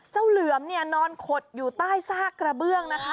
เหลือมเนี่ยนอนขดอยู่ใต้ซากกระเบื้องนะคะ